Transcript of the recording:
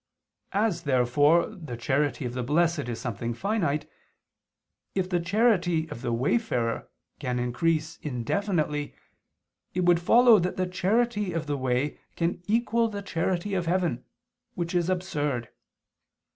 As, therefore, the charity of the blessed is something finite, if the charity of the wayfarer can increase indefinitely, it would follow that the charity of the way can equal the charity of heaven; which is absurd.